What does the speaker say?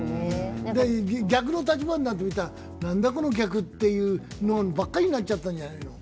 逆の立場になってみたら、何だこの客みたいなのばっかりになっちゃったのかな。